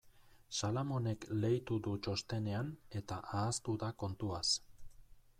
Salamonek leitu du txostenean eta ahaztu da kontuaz.